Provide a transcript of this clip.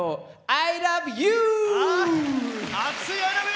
アイラブユー！